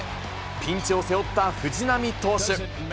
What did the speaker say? ピンチを背負った藤浪投手。